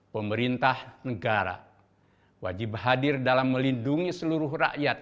pemerintah negara wajib hadir dalam melindungi seluruh rakyat